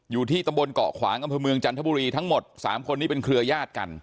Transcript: อยู่ที่ตำบลเกาะขวางอำเภอเมืองจันทบุรีทั้งหมด๓คนนี้เป็นเครือญาติกัน